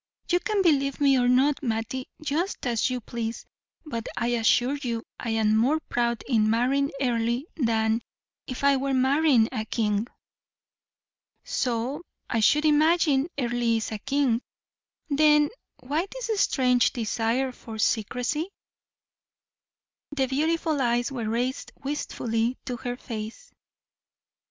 "You can believe me or not, Mattie, just as you please, but I assure you I am more proud in marrying Earle than if I were marrying a king." "So I should imagine. Earle is a king; then why this strange desire for secrecy?" The beautiful eyes were raised wistfully to her face.